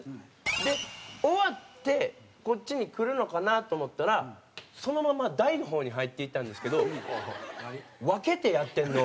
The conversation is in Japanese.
で終わってこっちに来るのかなと思ったらそのまま大の方に入っていったんですけど分けてやってるの？